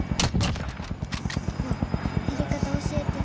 なあやり方教えて。